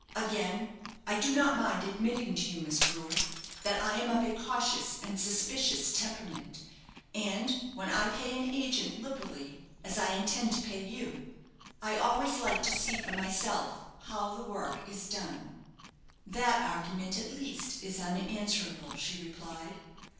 Again, I do not mind admitting to you, Miss Brewer, that I am of a cautious and suspicious temperament; and when I pay an agent liberally, as I intend to pay you, I always like to see for myself how the work is done." "That argument, at least, is unanswerable," she replied.